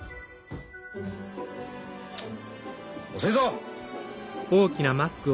・遅いぞ！